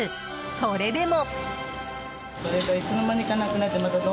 それでも。